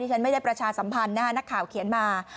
ฉันไม่ได้ประชาสัมพันธ์นะฮะนักข่าวเขียนมา